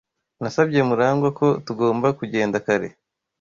Nasabye Murangwa ko tugomba kugenda kare.